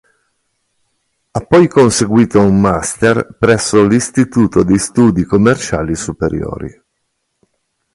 Ha poi conseguito un master presso l'Istituto di Studi Commerciali Superiori.